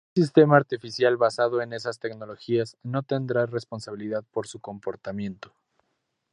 Un sistema artificial basado en esas tecnologías no tendrá responsabilidad por su comportamiento.